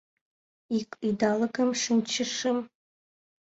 Ик идалыкым шинчышым.